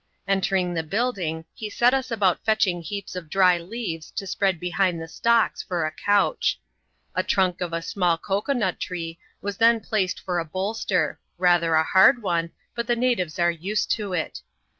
Entering tl^ building, he set us about fetching heaps of dry leaves to spread behind the stocks for a couch. A trunk of a small cocoa nut tree was then placed for a bolster— rather a hurd one, but the natives are used to it.